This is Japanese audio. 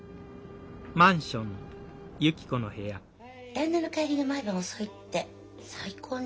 旦那の帰りが毎晩遅いって最高ね。